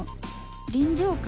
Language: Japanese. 臨場感？